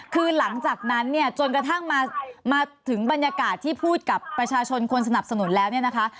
คือหลังจากนั้นเนี่ยจนกระทั่งมาถึงบรรยากาศที่พูดกับประชาชนคนสนับสนุนแล้วเนี่ยนะคะ